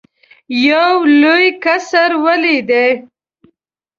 یو لوی قصر ولیدی.